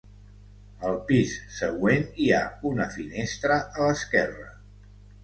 Al pis següent hi ha una finestra a l'esquerra.